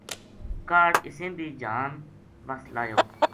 کاہڈ اِسیں بھی جہان وس لایو